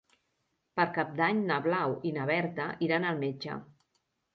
Per Cap d'Any na Blau i na Berta iran al metge.